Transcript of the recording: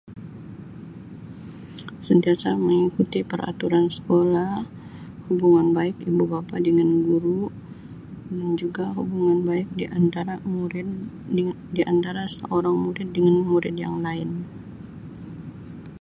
Sentiasa mengikuti peraturan sekolah, hubungan baik ibu bapa dengan guru, dan juga hubungan baik di antara murid di-di antara seorang murid dengan murid yang lain.